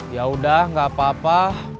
yaudah gak apa apa